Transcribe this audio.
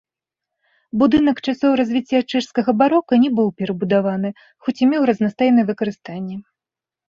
Будынак часоў развіцця чэшскага барока не быў перабудаваны, хоць і меў разнастайнае выкарыстанне.